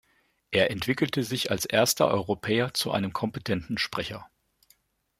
Er entwickelte sich als erster Europäer zu einem kompetenten Sprecher.